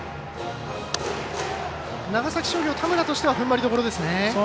長崎商業、田村としてはふんばりどころですね。